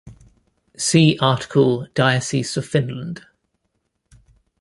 See article Diocese of Finland.